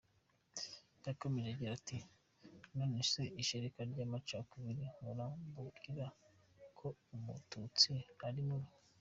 Yakomeje agira ati “Nonse ishereka ry’ amacakubiri, nkura bamwira ko umututsi ari mubi.